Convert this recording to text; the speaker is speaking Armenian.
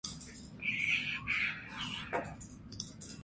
Լանդշաֆտը կիսաանապատային է, հաճախակի են խորշակները։